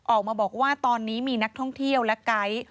ออกมาบอกว่าตอนนี้มีนักท่องเที่ยวและไก๊